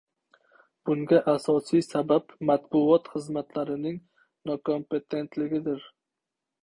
Bunga asosiy sabab matbuot xizmatlarining nokompetentligidir.